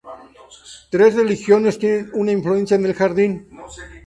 Tres religiones tienen una influencia en el jardín.